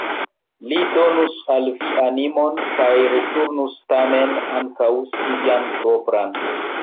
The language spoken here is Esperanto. Li donus al vi animon kaj retenus tamen ankaŭ sian propran.